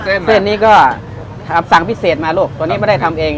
สุขดีที่จะมีความหอมความหวานอ่ะเอาเส้นล่ะเส้นนี้ก็อ่าตอนนี้ไม่ได้ทำเอง